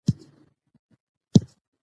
تا خو هېڅکله زما په حق کې بدي نه ده کړى.